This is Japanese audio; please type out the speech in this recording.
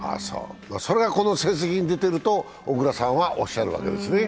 それがこの成績に出ていると小椋さんはおっしゃるんですね。